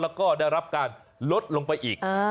แล้วก็ได้รับการลดลงไปอีก